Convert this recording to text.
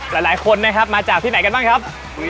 หลายคนนะครับมาจากที่ไหนกันบ้างครับ